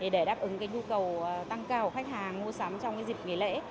để đáp ứng nhu cầu tăng cao của khách hàng mua sắm trong dịp nghỉ lễ